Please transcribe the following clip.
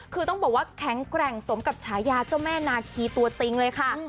คือต้องบอกว่าแข็งแกร่งสมกับฉายาเจ้าแม่นาคีตัวจริงเลยค่ะ